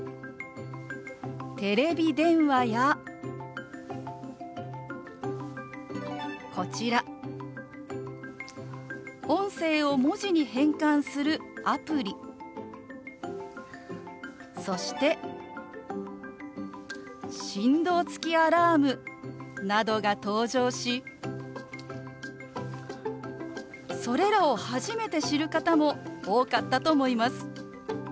テレビ電話やこちら音声を文字に変換するアプリそして振動付きアラームなどが登場しそれらを初めて知る方も多かったと思います。